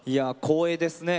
光栄ですね。